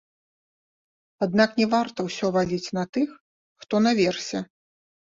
Аднак не варта ўсё валіць на тых, хто наверсе.